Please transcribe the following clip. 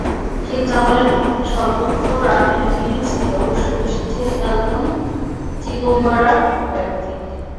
শেখ জামালের পক্ষে সর্বোচ্চ রানের ইনিংসটি অবশ্য এসেছে এলটন চিগুম্বুরার ব্যাট থেকে।